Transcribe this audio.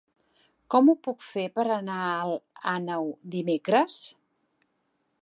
Com ho puc fer per anar a Alt Àneu dimecres?